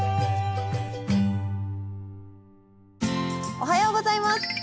おはようございます。